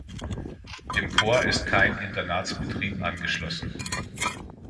Dem Chor ist kein Internatsbetrieb angeschlossen.